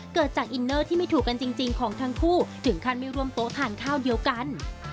เกิดจากอินเนอร์ที่ไม่ถูกกันจริงของทั้งคู่ถึงขั้นไม่ร่วมโต๊ะทานข้าวเดียวกัน